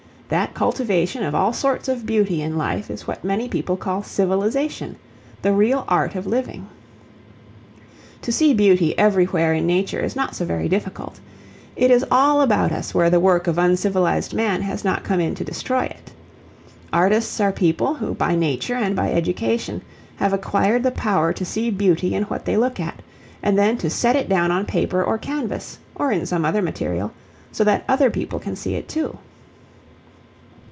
That cultivation of all sorts of beauty in life is what many people call civilization the real art of living. To see beauty everywhere in nature is not so very difficult. It is all about us where the work of uncivilized man has not come in to destroy it. Artists are people who by nature and by education have acquired the power to see beauty in what they look at, and then to set it down on paper or canvas, or in some other material, so that other people can see it too.